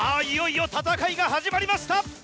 いよいよ戦いが始まりました。